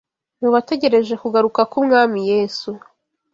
Mu bategereje kugaruka kw’Umwami Yesu,